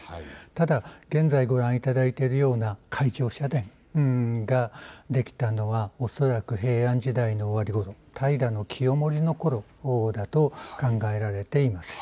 ただ現在ご覧いただいてるような、海上社殿ができたのは恐らく平安時代の終わりごろ、平清盛のころだと考えられています。